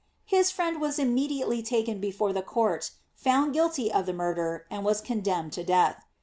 His friend was immediately taken before the court, found guilty of the murder, and was condemned to death.